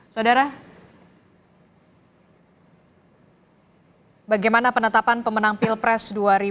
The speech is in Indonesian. saudara bagaimana penetapan pemenang pilpres dua ribu dua puluh